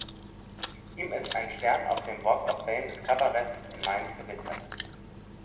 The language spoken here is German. Ihm ist ein Stern auf dem Walk of Fame des Kabaretts in Mainz gewidmet.